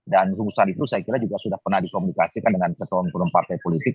dan rumusan itu saya kira juga sudah pernah dikomunikasikan dengan ketua ketua partai politik